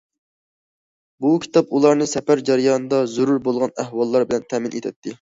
بۇ كىتاب ئۇلارنى سەپەر جەريانىدا زۆرۈر بولغان ئەھۋاللار بىلەن تەمىن ئېتەتتى.